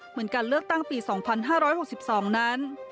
เหมือนการเลือกตั้งปี๒๕๖๒นั้น